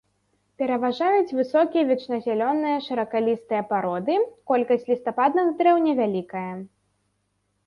Пераважаюць высокія вечназялёныя шыракалістыя пароды, колькасць лістападных дрэў невялікая.